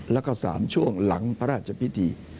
แล้วก็๓ช่วงหลังพระราชพิธี